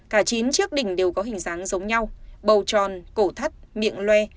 cả chín chiếc đỉnh đều có hình dáng giống nhau bầu tròn cổ thắt miệng loe